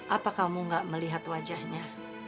apa kamu gak melihat wajahnya